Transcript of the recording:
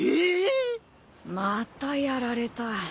またやられた。